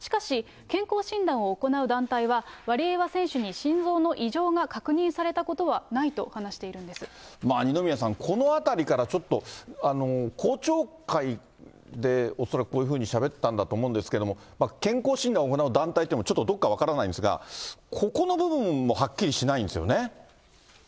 しかし、健康診断を行う団体は、ワリエワ選手に心臓の異常が確認されたことはないと話しているん二宮さん、この辺りからちょっと公聴会で、恐らくこういうふうにしゃべったんだと思うんですけど、健康診断を行う団体というのも、ちょっとどこか分からないんですが、ここの部分もはっきりしないんですよね。